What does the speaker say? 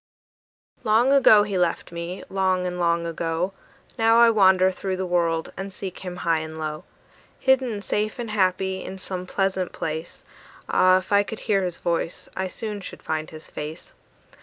Long ago he left me, long and long ago: Now I wander through the world and seek him high and low; Hidden safe and happy, in some pleasant place, Ah, if I could hear his voice, I soon should find his face.